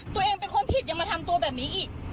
ตัวเองเป็นคนผิดยังมาทำตัวแบบนี้อีก